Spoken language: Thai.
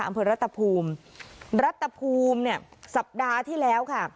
อำเภอรัฐภูมิรัฐภูมิเนี่ยสัปดาห์ที่แล้วค่ะ